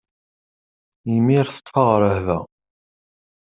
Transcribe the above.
Imir teṭṭef-aɣ rrehba.